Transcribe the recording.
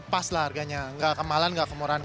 pas lah harganya nggak kemalan nggak kemurahan